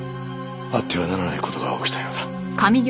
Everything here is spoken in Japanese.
あってはならない事が起きたようだ。